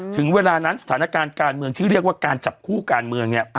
ถึงเวลานั้นสถานการณ์การเมืองที่เรียกว่าการจับคู่การเมืองเนี่ย